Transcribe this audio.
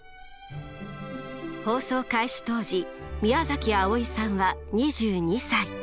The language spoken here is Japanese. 放送開始当時宮あおいさんは２２歳。